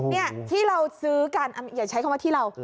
นี่ที่เราซื้อกันอย่าใช้คำว่าที่เรา